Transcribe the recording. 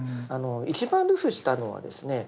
一番流布したのはですね